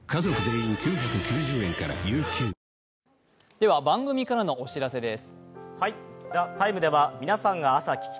では、番組からのお知らせです。